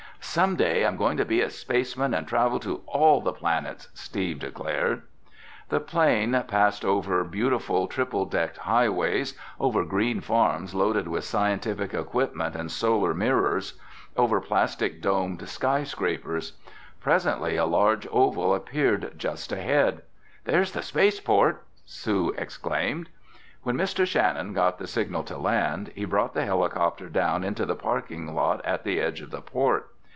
"Some day I'm going to be a spaceman and travel to all the planets!" Steve declared. The plane passed over beautiful triple decked highways, over green farms loaded with scientific equipment and solar mirrors, over plastic domed skyscrapers. Presently a large oval appeared just ahead. "There's the space port!" Sue exclaimed. When Mr. Shannon got the signal to land, he brought the helicopter down into the parking lot at the edge of the port.